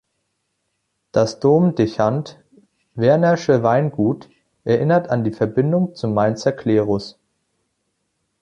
Das Domdechant Werner’sche Weingut erinnert an die Verbindung zum Mainzer Klerus.